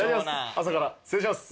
朝から失礼します。